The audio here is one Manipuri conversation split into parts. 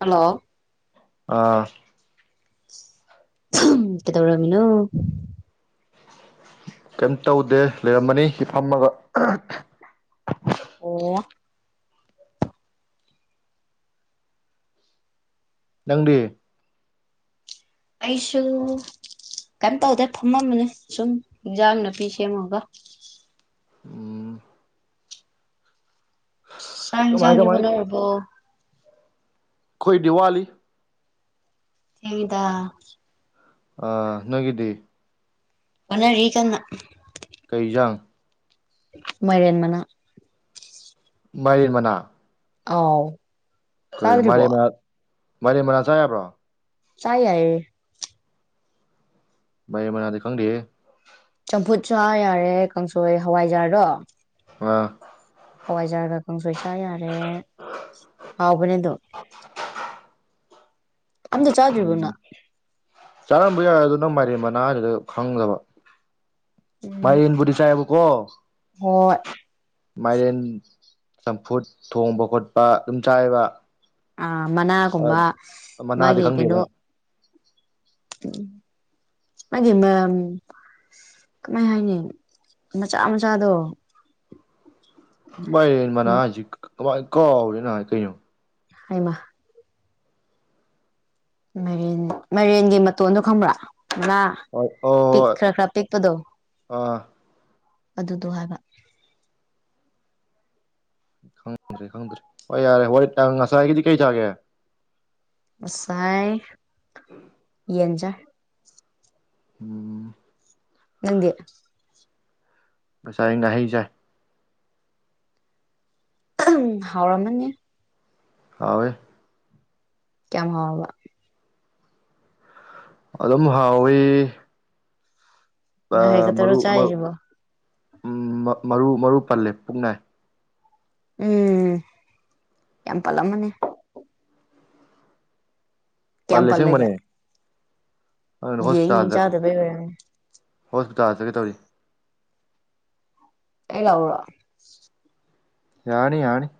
ꯍꯜꯂꯣ ꯑꯥ ꯀꯩꯗꯧꯔꯝꯃꯤꯅꯣ ꯀꯩꯝ ꯇꯧꯗꯦ ꯂꯩꯔꯝꯃꯅꯤ ꯍꯤ ꯐꯝꯃꯒ ꯑꯣ ꯅꯪꯗꯤ ꯑꯩꯁꯨ ꯀꯩꯝ ꯇꯧꯗꯦ ꯐꯝꯃꯝꯕꯅꯦ ꯁꯨꯝ ꯏꯟꯖꯥꯡ ꯅꯥꯄꯤ ꯁꯦꯝꯃꯒ ꯎꯝ ꯆꯥꯡ ꯀꯃꯥꯏ ꯏꯟꯁꯥꯡꯗꯤ ꯀꯃꯥꯏ ꯍꯣꯠꯅꯔꯕꯣ ꯈꯣꯏꯗꯤ ꯋꯥꯂꯤ ꯊꯦꯡꯉꯤꯗ ꯑꯥ ꯅꯣꯏꯒꯤꯗꯤ ꯃꯥꯟꯅꯔꯤ ꯀꯟꯅ ꯀꯩꯖꯥꯡ ꯃꯥꯏꯔꯦꯟ ꯃꯅꯥ ꯃꯥꯏꯔꯦꯟ ꯃꯅꯥ ꯑꯥꯎ ꯀ ꯆꯥꯗ꯭ꯔꯤꯕꯣ ꯃꯔꯦꯟ ꯃꯅꯥ ꯃꯔꯦꯟ ꯃꯅꯥ ꯆꯥ ꯌꯥꯕ꯭ꯔꯣ ꯆꯥ ꯌꯥꯌꯦ ꯃꯥꯏꯔꯦꯟ ꯃꯅꯥꯗꯤ ꯈꯪꯗꯦ ꯆꯝꯐꯨꯠꯁꯨ ꯌꯥꯔꯦ ꯀꯥꯡꯁꯣꯏ ꯍꯋꯥꯏꯖꯥꯗꯣ ꯑ ꯍꯋꯥꯏꯖꯥꯔꯒ ꯀꯥꯡꯁꯣꯏ ꯆꯥ ꯌꯥꯔꯦ ꯍꯥꯎꯕꯅꯦꯗꯣ ꯑꯝꯇ ꯆꯥꯗ꯭ꯔꯤꯕꯣ ꯎꯝ ꯅꯪ ꯆꯥꯔꯝꯕ ꯌꯥꯏ ꯑꯗꯨ ꯅꯪ ꯃꯥꯏꯔꯦꯟ ꯃꯅꯥꯗꯨꯗ ꯈꯪꯗꯕ ꯎꯝ ꯥꯃꯥꯏꯔꯦꯟꯕꯨꯗꯤ ꯆꯥꯏꯕ ꯀꯣ ꯍꯣꯏ ꯃꯥꯏꯔꯦꯟ ꯆꯝꯐꯨꯠ ꯊꯣꯡꯕ ꯈꯣꯠꯄ ꯑꯗꯨꯝ ꯆꯥꯏꯕ ꯑ ꯃꯅꯥꯒꯨꯝꯕ ꯃꯅꯥꯗꯤ ꯃꯥꯒꯤ ꯀꯩꯅꯣ ꯈꯪꯗꯦꯕ ꯎ ꯃꯥꯒꯤ ꯃ ꯀꯃꯥꯏ ꯍꯥꯏꯅꯤ ꯃꯆꯥ ꯃꯆꯥꯗꯣ ꯃꯥꯏꯔꯦꯟ ꯎꯝ ꯃꯅꯥꯁꯤ ꯀꯃꯥꯏꯅ ꯀꯥꯎꯔꯤꯦ ꯅꯍ ꯀꯩꯅꯣ ꯍꯥꯏꯃ ꯃꯔꯤꯦꯟ ꯃꯔꯦꯟꯒꯤ ꯃꯇꯣꯟꯗꯣ ꯈꯪꯕ꯭ꯔꯥ ꯉ ꯍ ꯑꯣ ꯍꯣꯏ ꯑ ꯑꯗꯨꯗꯣ ꯍꯥꯏꯕ ꯈꯪꯗ꯭ꯔꯦ ꯈꯪꯗ꯭ꯔꯦ ꯍꯣꯏ ꯌꯥꯔꯦ ꯍꯣꯏ ꯉꯁꯥꯏꯒꯤꯗꯤ ꯀꯩ ꯆꯥꯒꯦ ꯉꯁꯥꯏ [unintelligible] ꯎꯝ ꯅꯪꯗꯤ ꯉꯁꯥꯏ ꯉꯥꯍꯩ ꯆꯥꯏ ꯎꯝ ꯍꯥꯎꯔꯃꯅꯤ ꯍꯋꯦ ꯀꯥꯝ ꯍꯥꯎꯔꯕ ꯑꯗꯨꯝ ꯍꯥꯎꯏ ꯉꯍꯩ ꯈꯛꯇꯔꯣ ꯃꯔꯨ ꯃꯔ ꯆꯥꯏꯔꯤꯁꯤꯕꯣ ꯃꯔꯨ ꯃꯔꯨ ꯄꯜꯂꯦ ꯄꯨꯛꯅꯥꯏ ꯎꯝ ꯌꯥꯝ ꯄꯜꯂꯝꯃꯅꯤ ꯀꯌꯥꯝ ꯄꯜꯂꯦ ꯄꯜꯂꯒꯦ ꯁꯦꯡꯃꯅꯦ ꯌꯦꯡ ꯌꯦꯡ ꯆꯥꯗꯕꯩ ꯑꯣꯏ ꯍꯣꯁꯄꯤꯇꯥꯜ ꯆꯠꯀꯦ ꯇꯧꯔꯤ ꯑꯦꯂꯔ ꯌꯥꯅꯤ ꯌꯥꯅꯤ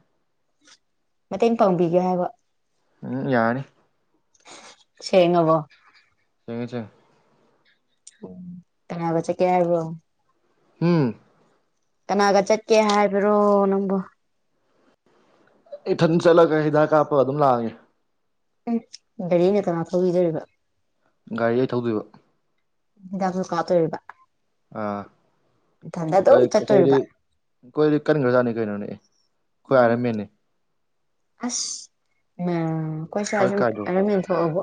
ꯃꯇꯦꯡ ꯄꯥꯡꯕꯤꯒꯦ ꯍꯥꯏꯕ ꯎꯝ ꯌꯥꯔꯅꯤ ꯁꯦꯡꯉꯕꯣ ꯁꯦꯡꯉꯦ ꯁꯦꯡꯉꯦ ꯎ ꯀꯅꯥꯕ ꯆꯠꯀꯦ ꯍꯥꯏꯕ꯭ꯔꯣ ꯍꯨꯝ ꯀꯅꯥꯒ ꯆꯠꯀꯦ ꯍꯥꯏꯕꯔꯣ ꯅꯪꯕꯨ ꯏꯊꯟ ꯆꯠꯂꯒ ꯍꯤꯗꯥꯛ ꯀꯥꯞꯄꯒ ꯑꯗꯨꯝ ꯂꯥꯛꯑꯒꯦ ꯑꯨꯝ ꯒꯔꯤꯅ ꯀꯅꯥ ꯊꯧꯕꯤꯗꯨꯔꯤꯕ ꯒꯥꯔꯤ ꯑꯩ ꯊꯧꯗꯣꯏꯕ ꯍꯤꯗꯥꯛꯁꯨ ꯀꯥꯞꯇꯨꯔꯤꯕ ꯑꯥ ꯍꯣꯏ ꯑꯗꯨꯝ ꯑꯩꯈꯣꯏꯗꯤ ꯆꯠꯇꯣꯔꯤꯕ ꯑꯩꯈꯣꯏꯗꯤ ꯀꯟꯈ꯭ꯔꯖꯥꯠꯅꯤ ꯀꯩꯅꯣꯅꯦ ꯑꯩ ꯈꯣꯏ ꯑꯥꯏꯔꯥꯟ ꯃꯦꯟꯅꯤ ꯑꯁ ꯎꯝ ꯍꯜꯛ ꯈꯣꯏꯁꯋꯥꯏꯁꯨꯨ ꯀꯥꯏꯗꯣ ꯑꯥꯏꯔꯥꯟ ꯃꯦꯟ ꯊꯣꯛꯑꯕꯣ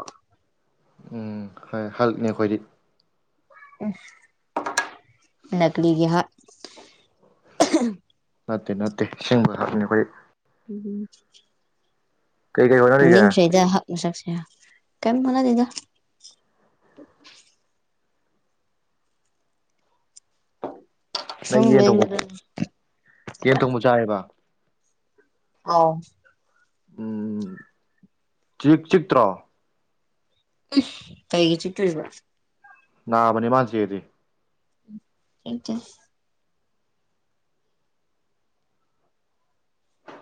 ꯎꯝ ꯍꯣꯏ ꯍꯜꯂꯛꯅꯦ ꯑꯩꯈꯣꯏꯗꯤ ꯎ ꯅꯛꯂꯤꯒꯤ ꯍꯥꯛ ꯅꯠꯇꯦ ꯅꯠꯇꯦ ꯑꯁꯤꯡꯕ ꯍꯥꯛꯅꯤ ꯑꯩꯈꯣꯏꯗꯤ ꯎꯝ ꯀꯩ ꯀꯩ ꯍꯣꯠꯅꯔꯤꯒꯦ ꯅꯤꯡꯁꯩꯗ ꯍꯥꯛ ꯃꯁꯛꯁꯦ ꯀꯩꯝ ꯍꯤꯠꯅꯗꯦꯗ ꯅꯪ ꯁꯨꯝ ꯌꯦꯟ ꯊꯣꯡꯕ ꯂꯦꯡꯕꯗꯅꯤ ꯌꯦꯟ ꯀꯩꯕ ꯊꯣꯡꯕ ꯆꯥꯏꯔꯦꯕ ꯑꯥꯎ ꯎꯝ ꯆꯤ ꯆꯤꯠꯇ꯭ꯔꯣ ꯑꯦꯁ ꯀꯩꯒꯤ ꯆꯤꯛꯇꯣꯏꯕ ꯅꯥꯕꯅꯤ ꯃꯥꯅ ꯆꯤꯛꯑꯗꯤ [inaudible]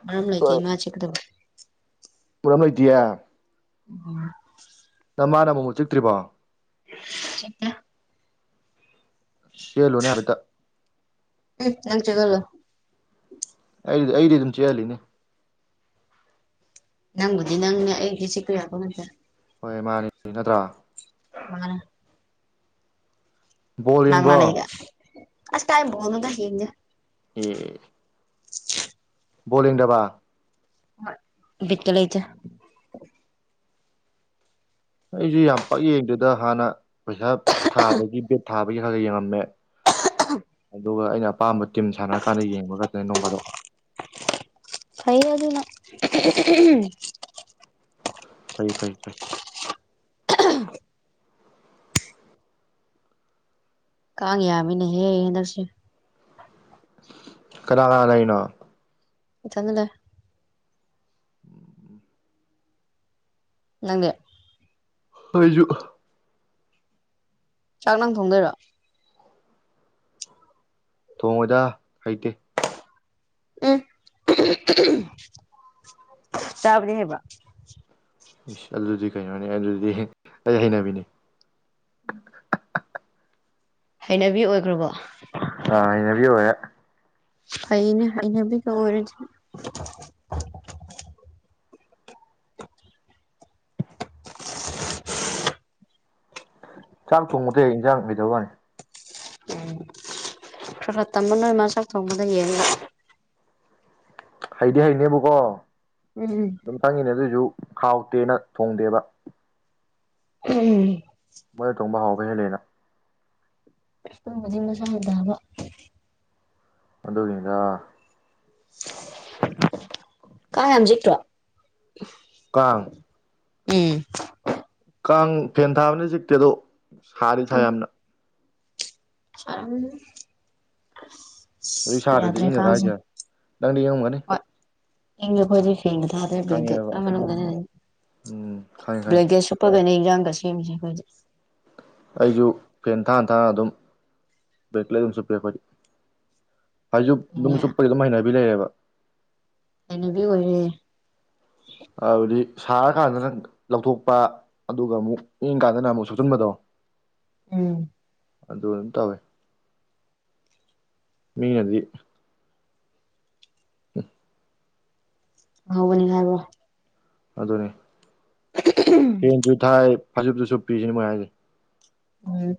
ꯃꯔꯝ ꯑ ꯂꯩꯒꯦ ꯃꯥ ꯆꯦꯛꯀꯗꯕ ꯃꯔꯝ ꯂꯩꯇꯤꯌꯦ ꯎꯝ ꯅꯪ ꯃꯥꯅ ꯑꯃꯨꯛ ꯆꯤꯛꯇ꯭ꯔꯤꯕꯣ ꯁꯤꯁ ꯆꯤꯛꯇꯦ ꯆꯤꯛꯍꯜꯂꯨꯅꯦ ꯍꯥꯏꯐꯦꯠꯇꯪ ꯏ ꯅꯪ ꯆꯤꯛꯍꯜꯂꯣ ꯑꯩꯗꯤ ꯑꯩꯗꯤ ꯑꯗꯨꯝ ꯆꯤꯛꯍꯜꯂꯤꯅꯦ ꯅꯪꯕꯨꯗꯤ ꯅꯪꯅ ꯑꯩꯗꯤ ꯆꯤꯛꯄꯣꯠ ꯅꯠꯇꯦ ꯍꯣꯏ ꯃꯥꯅꯦ ꯅꯠꯇ꯭ꯔ ꯃꯥꯟꯅꯦ ꯕꯣꯜ ꯐꯪꯅꯥ ꯌꯦꯡꯕ꯭ꯔꯣ ꯂꯩꯒ ꯑꯁ ꯀꯥꯏ ꯕꯣꯜꯅꯣꯗ ꯌꯦꯡꯗꯦ ꯑꯦ ꯕꯣꯟ ꯌꯦꯡꯗꯕ ꯍꯣꯏ ꯕꯤꯠꯀ ꯂꯩꯇꯦ ꯑꯩꯁꯨ ꯌꯥꯝ ꯄꯛ ꯌꯦꯡꯗꯦꯗ ꯍꯥꯟꯅ ꯄꯩꯁꯥ ꯊꯥꯕꯒꯤ ꯕꯦꯠ ꯊꯥꯕꯒꯤ ꯈꯔꯒ ꯌꯦꯡꯉꯝꯃꯦ ꯑꯗꯨꯒ ꯑꯩꯅ ꯑꯄꯥꯝꯕ ꯇꯤꯝ ꯁꯥꯟꯅꯔꯀꯥꯟꯗ ꯌꯦꯡꯕ ꯈꯛꯇꯅꯦ ꯅꯣꯡꯐꯥꯗꯣꯛ ꯐꯩ ꯑꯗꯨꯅ ꯐꯩ ꯐꯩ ꯐꯩ [unintelligible] ꯀꯥꯡ ꯌꯥꯝꯃꯤꯅꯦꯍꯦ ꯍꯟꯗꯥꯛꯁꯦ ꯀꯅꯥ ꯀꯅꯥ ꯂꯩꯔꯤꯅꯣ ꯏꯊꯟꯗ ꯂꯩ ꯎꯝ ꯎꯝ [inaudible] ꯅꯪꯗꯤ ꯍꯣꯏꯖꯨ ꯆꯥꯛ ꯅꯪ ꯊꯣꯡꯗꯣꯏꯔꯣ ꯊꯣꯡꯉꯣꯏꯗ ꯍꯩꯇꯦ ꯑꯦ ꯆꯥꯕꯗꯤ ꯍꯥꯏꯕ ꯏꯁ ꯑꯗꯨꯗꯤ ꯀꯩꯅꯣꯅꯦ ꯑꯗꯨꯗꯤ ꯑꯩ ꯍꯩꯅꯕꯤꯅꯤ [inaudible] ꯍꯩꯅꯕꯤ ꯑꯣꯏꯒ꯭ꯔꯕꯣ ꯑ ꯍꯩꯅꯕꯤ ꯑꯣꯏꯔꯦ ꯐꯩꯅꯦ ꯍꯩꯅꯕꯤꯒ ꯑꯣꯏꯔꯗꯤ [inaudible] ꯆꯥꯛ ꯊꯣꯡꯕꯗꯤ ꯍꯩ ꯏꯟꯖꯥꯡ ꯍꯩꯇꯕꯩ ꯋꯥꯅꯤ ꯎꯝ ꯈꯔ ꯈꯔ ꯇꯝꯃꯨ ꯅꯣꯏ ꯃꯥ ꯆꯥꯛ ꯊꯣꯡꯕꯗ ꯌꯦꯡꯉꯥ ꯍꯩꯗꯤ ꯍꯩꯅꯦꯕꯥꯀꯣ ꯎꯝ ꯎꯝ ꯑꯗꯨꯝ ꯈꯪꯉꯤꯅꯦ ꯑꯗꯨꯑꯣꯏꯁꯨ ꯍꯥꯎꯇꯦꯅ ꯊꯣꯡꯗꯦꯕ ꯎꯝ ꯃꯣꯏꯅ ꯊꯣꯡꯕ ꯍꯥꯎꯕ ꯍꯦꯜꯂꯦꯅ ꯇꯨꯝꯕꯗꯤ ꯃꯁꯥꯅ ꯇꯥꯕ ꯑꯗꯨꯒꯤꯅꯤꯗꯥ ꯀꯥꯡ ꯌꯥꯝ ꯆꯤꯛꯇ꯭ꯔꯣ ꯀꯥꯡ ꯎꯝ ꯀꯥꯡ ꯐꯦꯟ ꯊꯥꯕꯅꯤ ꯆꯤꯛꯇꯦ ꯑꯗꯣ ꯁꯥꯗꯤ ꯁꯥꯏ ꯌꯥꯝꯅ ꯁꯔꯝꯅꯔꯤ ꯑꯁ ꯍꯨꯖꯤꯛ ꯁꯥꯗꯔꯥꯗꯤ ꯏꯪꯉꯒꯗ꯭ꯔꯥ ꯍꯥꯏꯖꯦ ꯅꯪꯗꯤ ꯏꯡꯉꯝꯒꯅꯤ ꯏꯡꯉꯦ ꯑꯈꯣꯏꯗꯤ ꯐꯦꯟ ꯎꯝ ꯊꯗ꯭ꯔꯦ ꯕ꯭ꯂꯦꯡꯀꯦꯠ ꯈꯪꯉꯦꯕ ꯑꯥ ꯃꯅꯨꯡꯗꯥꯅꯤ ꯎꯝ ꯈꯪꯉꯦ ꯈꯪꯉꯦ ꯕ꯭ꯂꯦꯡꯀꯦꯠ ꯁꯨꯞ ꯐꯒꯅꯦ ꯏꯟꯖꯥꯡꯒ ꯁꯦꯝꯃꯤꯁꯦ ꯑꯩꯈꯣꯏꯗꯤ ꯑꯩꯖꯨ ꯐꯦꯟ ꯊꯥꯅ ꯊꯥꯅ ꯑꯗꯨꯝ ꯕ꯭ꯔꯦꯡꯀꯂꯦꯠ ꯑꯗꯨꯝ ꯁꯨꯞꯄꯤ ꯑꯈꯣꯏꯗꯤ ꯐꯩꯖꯨꯞ ꯑꯗꯨꯝ ꯆꯨꯞꯄꯗꯤ ꯑꯗꯨꯝ ꯍꯩꯅꯕꯤ ꯂꯩꯌꯦꯕ ꯍꯩꯅꯕꯤ ꯑꯣꯏꯔꯦ ꯍꯥꯏꯕꯗꯤ ꯁꯥꯔꯀꯥꯟꯗꯅ ꯂꯧꯊꯣꯛꯄ ꯑꯗꯨꯒ ꯑꯃꯨꯛ ꯏꯡ ꯀꯥꯟꯗꯅ ꯑꯃꯨꯛ ꯁꯨꯞꯆꯤꯟꯕꯗꯣ ꯎꯝ ꯑꯗꯨ ꯑꯗꯨꯝ ꯇꯧꯋꯦ ꯃꯤꯅꯗꯤ [inaudible] ꯍꯥꯎꯒꯅꯤ ꯍꯥꯏꯕꯣ ꯑꯗꯨꯅꯤ ꯐꯦꯟꯖꯨ ꯊꯥꯏ ꯐꯩꯖꯨꯞꯁꯨ ꯁꯨꯞꯄꯤ ꯁꯤꯅꯦ ꯃꯣꯏ ꯍꯥꯏꯖꯦ ꯎꯝ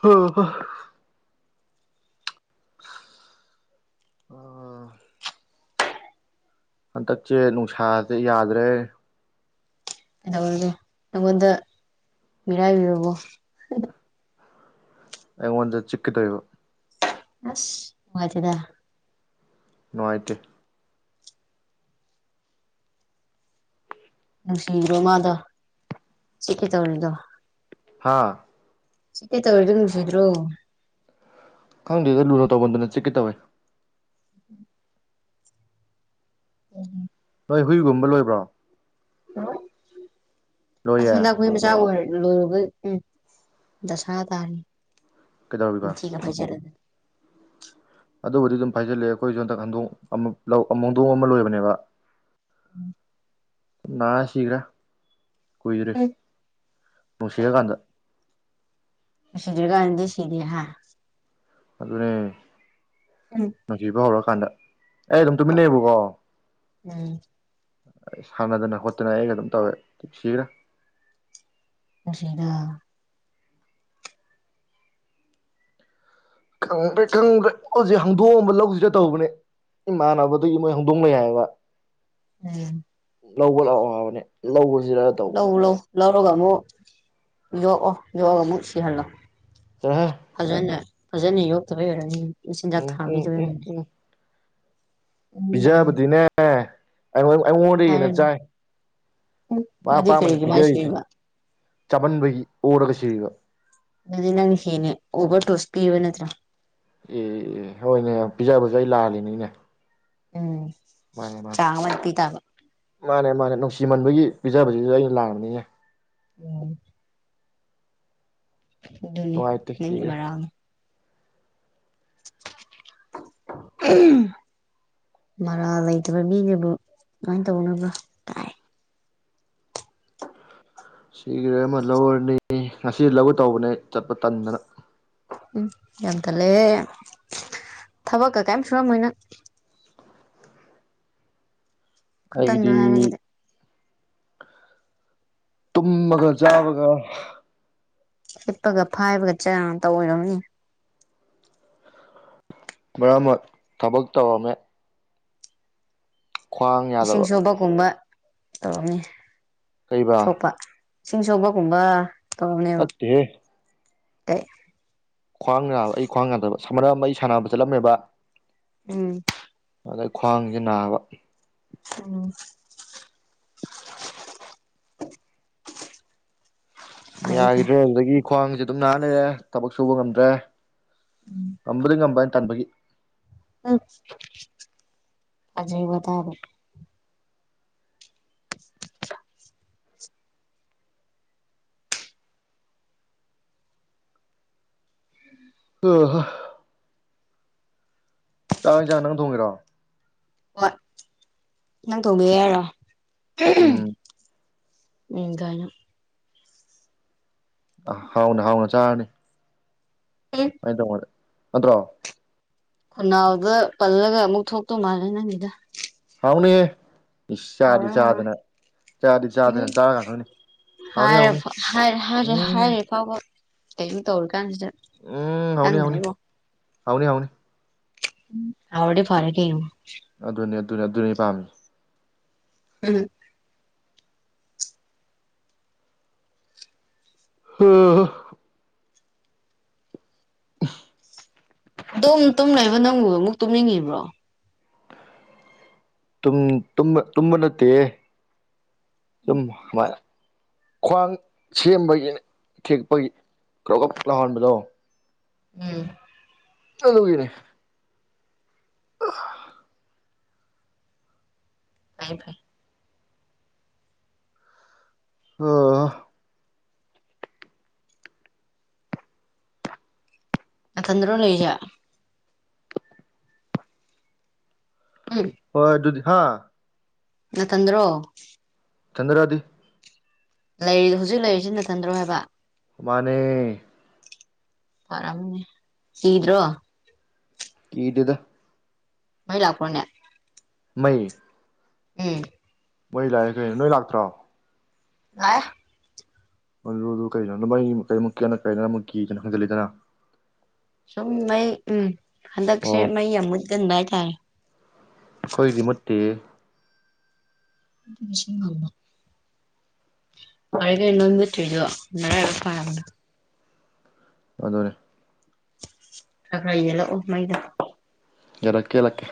ꯍꯣ ꯍꯥ ꯑꯥ ꯍꯟꯗꯛꯁꯦ ꯅꯨꯡꯁꯥꯥꯖꯦ ꯌꯥꯗ꯭ꯔꯦ ꯀꯩꯗꯧꯔꯒꯦ ꯅꯪꯉꯣꯟꯗ ꯃꯤꯔꯥꯏꯕꯤꯔꯕꯣ ꯑꯩꯉꯣꯟꯗ ꯆꯤꯛꯀꯦ ꯇꯧꯏꯕ ꯑꯁ ꯅꯨꯡꯉꯥꯏꯇꯦꯗꯥ ꯅꯨꯡꯉꯥꯏꯇꯦ ꯅꯨꯡꯁꯤꯕꯣ ꯃꯥꯗꯣ ꯆꯤꯠꯀꯦ ꯇꯧꯔꯤꯗꯣ ꯍꯥꯥ ꯆꯤꯀꯦ ꯇꯧꯔꯤꯗꯨ ꯅꯨꯡꯁꯤꯗ꯭ꯔꯣ ꯈꯪꯗꯦꯗ ꯂꯨꯅꯣ ꯇꯧꯃꯟꯗꯅ ꯆꯤꯛꯀꯦ ꯇꯧꯋꯦ [inaudible] ꯎꯝ ꯅꯣꯏ ꯍꯨꯏꯒꯨꯝꯕ ꯂꯣꯏꯕ꯭ꯔꯣ ꯑꯁ ꯂꯣꯏꯌꯦ ꯂ ꯃꯈꯣꯏ ꯃꯆꯥ ꯑꯣꯏꯔ ꯂꯣꯏꯔꯒ ꯎꯝ ꯖꯁꯥ ꯇꯥꯔꯤ ꯀꯩꯗꯧꯔꯤꯕ ꯃꯊꯤꯒ ꯍꯥꯏꯖꯔ ꯑꯗꯨ ꯑꯗꯨꯕꯨꯗꯤ ꯑꯗꯨꯝ ꯐꯥꯏꯖꯤꯜꯂꯦ ꯑꯩꯈꯣꯏꯁꯨ ꯍꯟꯗꯛ ꯍꯟꯗꯣꯡ ꯑꯃ ꯃꯨꯗꯣꯡ ꯑꯃ ꯂꯣꯏꯕꯅꯦꯕ ꯎꯝ ꯅꯥ ꯁꯤꯈ꯭ꯔꯥ ꯀꯨꯏꯗ꯭ꯔꯦ ꯎꯝ ꯅꯨꯡꯁꯤꯔꯀꯥꯟꯗ ꯁꯤꯗꯒꯗꯦ ꯁꯤꯗꯦ ꯍꯥꯥ ꯑꯗꯨꯅꯦ ꯎꯝ ꯅꯨꯡꯊꯕ ꯍꯧꯔꯛꯀꯥꯟꯗ ꯑꯩ ꯑꯗꯨꯝ ꯇꯨꯃꯤꯟꯅꯩꯌꯦꯕꯀꯣ ꯎꯝ ꯁꯥꯟꯅꯗꯅ ꯈꯣꯠꯇꯅ ꯑꯩꯒ ꯑꯗꯨꯝ ꯇꯧꯋꯦ ꯁꯤꯈ꯭ꯔꯥ ꯂꯣꯚꯦ ꯈꯪꯗ꯭ꯔꯦ ꯈꯪꯗ꯭ꯔꯦ ꯍꯧꯖꯤꯛ ꯍꯪꯗꯣꯛꯑꯝꯕ ꯂꯧꯁꯤꯗ ꯇꯧꯕꯅꯦ ꯏꯃꯥꯟꯅꯕꯗꯨ ꯃꯣꯏ ꯍꯧꯗꯣꯡꯅꯩ ꯍꯥꯏꯕ ꯎꯝ ꯂꯧꯕ ꯂꯥꯛꯑꯣꯕꯅꯦ ꯂꯧꯕꯁꯤꯗ ꯂꯧ ꯂꯧ ꯂꯧꯔꯒ ꯑꯃꯨꯛ ꯌꯣꯛꯑꯣ ꯌꯣꯛꯑꯒ ꯑꯃꯨꯛ ꯁꯤꯍꯜꯂꯣ ꯇꯔꯍ ꯐꯖꯅ ꯐꯖꯅ ꯌꯣꯛꯇꯕꯩ ꯑꯣꯏꯔꯅꯤ ꯃꯆꯤꯟꯖꯥꯛ ꯎꯝ ꯎꯝ ꯊꯥꯕꯤꯗꯕ ꯎꯝ ꯑꯣꯏꯔꯅꯤ ꯎꯝ ꯄꯤꯖꯕꯗꯤꯅꯦ ꯑꯩꯉꯣꯟ ꯑꯩꯉꯣꯟꯗ ꯍꯦꯟꯅ ꯍꯥꯏꯔꯅꯨ ꯆꯥꯏ ꯎꯝ ꯑ ꯑꯗꯨꯗꯤ ꯑꯄꯥꯝꯕꯅ ꯀꯔꯤꯒꯤ ꯃꯥ ꯄꯤꯖꯔꯤꯁꯦ ꯁꯤꯔꯤꯕ ꯆꯄꯟꯕꯒꯤ ꯑꯣꯔꯒ ꯆꯩꯌꯒ ꯑꯗꯨꯗꯤ ꯅꯪ ꯍꯦꯅꯦ ꯑꯣꯕꯔ ꯇꯣꯁ ꯄꯤ ꯏꯕ ꯅꯠꯇ꯭ꯔꯥ ꯑꯦ ꯑꯦ ꯍꯣꯏꯅꯦ ꯄꯤꯖꯥ ꯕꯖꯥ ꯑꯩ ꯂꯥꯜꯂꯤꯅꯤꯅꯦ ꯎꯝ ꯃꯥꯅꯦ ꯃꯥꯅꯦ ꯆꯥꯉꯃ ꯄꯤ ꯇꯥꯒ ꯃꯥꯅꯦ ꯃꯥꯅꯦ ꯅꯨꯡꯁꯤꯃꯟꯕꯒꯤ ꯄꯤꯖꯕꯁꯤꯗ ꯑꯩꯅ ꯂꯥꯛꯔꯕꯅꯤꯅꯦ ꯎꯝ ꯑꯗꯨꯅꯤ ꯅꯨꯡꯉꯥꯏꯇꯦ ꯁꯤꯒ꯭ꯔꯦ ꯃꯔꯥꯡ [inaudible] ꯃꯔꯥ ꯂꯩꯇꯕ ꯃꯤꯁꯤꯕꯨ ꯀꯃꯥꯏꯅ ꯇꯧꯅꯕ꯭ꯔꯥ ꯁꯤꯒꯤꯔꯦ ꯑꯃ ꯂꯧꯔꯅꯤ ꯉꯁꯤ ꯂꯧꯒꯦ ꯇꯧꯕꯅꯦ ꯆꯠꯄ ꯇꯟꯗꯅ ꯎꯝ ꯌꯥꯝꯊꯠꯂꯦ ꯊꯕꯛꯀ ꯀꯔꯤꯝ ꯁꯨꯔꯝꯃꯣꯏꯅ ꯈꯨꯇꯟꯗꯣ ꯑꯩꯗꯤ ꯍꯥꯏꯔꯒꯗꯤ ꯇꯨꯝꯃꯒ ꯆꯥꯕꯒ ꯍꯤꯠꯄꯒ ꯐꯥꯏꯕꯒ ꯆ ꯇꯧ ꯑꯣꯏꯔꯣꯅꯤ ꯃ ꯑꯃ ꯊꯕꯛ ꯇꯧꯔꯝꯃꯦ ꯈ꯭ꯋꯥꯡ ꯏꯁꯤꯡ ꯌꯥꯗꯕ ꯁꯨꯕꯒꯨꯝꯕ ꯇꯧꯔꯝꯅꯤ ꯀꯩꯕꯥ ꯁꯣꯛꯄ ꯏꯁꯤꯡ ꯁꯣꯛꯄꯒꯨꯝꯕ ꯇꯧꯔꯅꯦꯕ ꯅꯠꯇꯦꯍꯦ ꯑꯩ ꯈ꯭ꯋꯥꯡ ꯅꯥꯕ ꯑꯩ ꯈ꯭ꯋꯥꯡ ꯅꯥꯗꯕ ꯁꯝꯥꯟꯅ ꯑꯃ ꯑꯩ ꯁꯥꯟꯅꯕ ꯆꯠꯂꯝꯃꯦꯕ ꯎꯝ ꯑꯗꯩ ꯈ꯭ꯋꯥꯡꯁꯤꯦ ꯅꯥꯕ ꯎꯝ ꯐꯩ ꯐꯩ ꯌꯥꯈꯤꯗ꯭ꯔꯦ ꯑꯗꯨꯗꯒꯤ ꯈ꯭ꯋꯥꯡꯁꯦ ꯑꯗꯨꯝ ꯅꯥꯟꯅꯔꯦ ꯊꯕꯛ ꯁꯨꯕ ꯉꯝꯗ꯭ꯔꯦ ꯑꯝꯕꯂꯤ ꯉ ꯑꯝꯕꯟ ꯇꯥꯟꯕꯒꯤ ꯑꯖꯤꯕꯕ ꯍ ꯍꯣ ꯆꯥꯛ ꯍꯅꯤ ꯆꯥꯛ ꯅꯪ ꯊꯣꯡꯒꯤꯔꯣ ꯍ ꯅꯪ ꯇꯧꯕꯤ ꯌꯥꯔꯣ ꯎꯝ ꯎ ꯅ ꯑ ꯍꯥꯎꯅ ꯍꯥꯎꯅ ꯆꯥꯔꯅꯤ ꯍꯂꫭ ꯑꯥꯏꯅ ꯇꯉꯣ ꯅꯟ꯭ꯔꯣ ꯈꯨꯅꯥꯎꯗ ꯄꯜꯂꯒ ꯑꯃꯨꯛ ꯊꯣꯛꯇꯧ ꯃꯥꯜꯂꯦ ꯅꯪꯒꯤꯗ ꯍꯥꯎꯅꯦꯍ ꯏꯁ ꯆꯥꯗꯤ ꯍꯥꯎꯔꯣꯏ ꯍꯥꯎꯔꯣꯏ ꯆꯥꯗꯅ ꯆꯥꯗꯤ ꯎꯝ ꯆꯥꯗꯅ ꯆꯥꯔꯀꯥꯟ ꯈꯪꯅꯤ ꯍꯥꯎꯅꯤ ꯍꯔꯦ ꯍꯥꯎꯅꯤ ꯐꯔꯦꯔꯦ ꯎꯝ ꯍꯔꯦ ꯐ [inaudible] ꯑꯗꯨ ꯊꯧꯔꯤꯛꯥꯟ ꯁꯤꯗ ꯎꯝ ꯍꯥꯎꯅꯤ ꯍꯥꯎꯅꯤ ꯍꯥꯎꯅꯤ ꯍꯥꯎꯅꯤ ꯍꯥꯎꯔꯗꯤ ꯐꯔꯦ ꯀꯩꯅꫭ ꯑꯗꯨꯅꯤ ꯑꯗꯨꯅꯤ ꯑꯗꯨꯅꯤ ꯑꯩꯅ ꯄꯥꯝꯃꯤꯁꯦ ꯎꯝ ꯍꯝ ꯑꯗꯨꯝ ꯇꯨꯝꯂꯏꯕ ꯅꯪꯕꯨ ꯑꯃꯨꯛ ꯇꯨꯝꯅꯤꯡꯉꯤꯕ꯭ꯔꯣ ꯇꯨꯝꯕ ꯅꯠꯇꯦ ꯁꯨꯝ ꯈ꯭ꯋꯥꯡ ꯁꯦꯝꯕꯒꯤ ꯊꯦꯛꯄꯒꯤ ꯀꯣꯒꯞ ꯂꯥꯎꯍꯟꯕꯗꯣ ꯎꯝ ꯂꯨꯒꯤꯅꯦ ꯇꯥꯏ ꯐꯥꯏ ꯑꯣ ꯅꯊꯠꯇꯔꫭ ꯂꯩꯖ ꯎꯝ ꯍꯣꯏ ꯑꯗꯨꯗꯤ ꯍꯥ ꯅꯊꯟꯗ꯭ꯔꯣ ꯅꯊꯠꯇꯔꯥ ꯍꯥꯏꯗꯤ ꯂꯩꯔꯤ ꯍꯧꯖꯤꯛ ꯂꯩꯔꯤꯁꯤ ꯅꯊꯟꯗ꯭ꯔꯣ ꯍꯥꯏꯕ ꯃꯥꯅꯦ ꯀꯤꯗ꯭ꯔꯣ ꯀꯤꯗꯩꯗꯥ ꯃꯩ ꯂꯥꯛꯄꯔꯥꯅꯦ ꯃꯩ ꯎꯝ ꯃꯩ ꯂꯥꯛꯑꯦ ꯀꯩꯅꯣ ꯅꯣꯏ ꯂꯥꯛꯇ꯭ꯔꫭ ꯂꯥꯛꯑꯦ ꯑꯗꯨꯗꯨ ꯀꯩꯅꯅꯣ ꯅꯃꯩ ꯀꯩꯃꯨꯛꯀꯤꯅ ꯀꯩꯅꯣ ꯑꯃꯨꯛ ꯀꯤꯗꯅ ꯍꯪꯖꯤꯜꯂꯤꯗꯅ ꯁꯨꯝ ꯃꯩ ꯎꯝ ꯍꯟꯗꯛꯁꯦ ꯑꯣ ꯃꯩ ꯌꯥꯝ ꯃꯨꯠꯀꯟꯕ ꯍꯥꯏꯇꯥꯔꯦ ꯑꯩꯈꯣꯏꯗꯤ ꯃꯨꯠꯇꯦꯍꯦ [inaudible] ꯉꯁꯥꯏꯗꯩ ꯃꯩ ꯃꯨꯠꯇꯔꯤꯗꫭ ꯅꯔꯥꯏꯕꯛ ꯐꯔꯥꯕꯅꯩ ꯑꯗꯨꯅꯦ ꯇꯈꯥꯏ ꯌꯦꯜꯂꯛꯑꯣ ꯃꯩꯗ ꯌꯥꯂꯛꯀꯦ ꯌꯂꯛꯀꯦ